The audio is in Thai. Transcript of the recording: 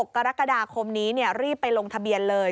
กรกฎาคมนี้รีบไปลงทะเบียนเลย